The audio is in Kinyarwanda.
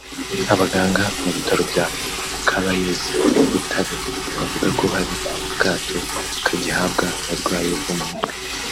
Abaganga mu bitaro bya Caraes Butare bavuga ko hari akato kagihabwa abarwayi bo mu mutwe